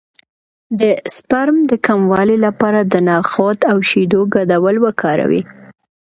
د سپرم د کموالي لپاره د نخود او شیدو ګډول وکاروئ